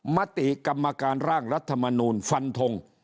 มติกรรมการร่างรัฐมนูลฟันทง